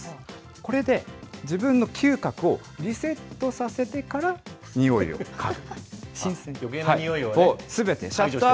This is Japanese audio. これで自分の嗅覚をリセットさせてから、においを嗅ぐ。